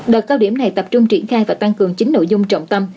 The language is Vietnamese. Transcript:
đợt cao điểm này tập trung triển khai và tăng cường chín nội dung trọng tâm